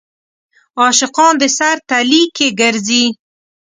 عاشقان د سر تلي کې ګرځي.